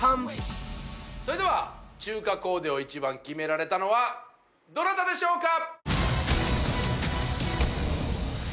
それでは中華コーデを一番キメられたのはどなたでしょうか？